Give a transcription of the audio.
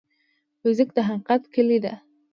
فزیک د حقیقت کلي ده.